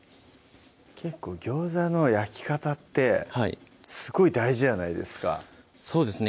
結構餃子の焼き方ってすごい大事じゃないですかそうですね